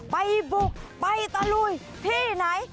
ไปบุกไปตะลุยที่ไหน